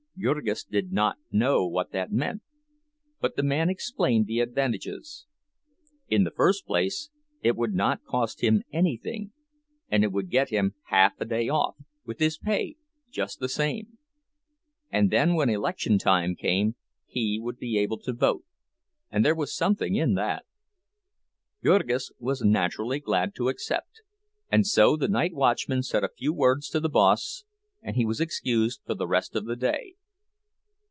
Jurgis did not know what that meant, but the man explained the advantages. In the first place, it would not cost him anything, and it would get him half a day off, with his pay just the same; and then when election time came he would be able to vote—and there was something in that. Jurgis was naturally glad to accept, and so the night watchman said a few words to the boss, and he was excused for the rest of the day.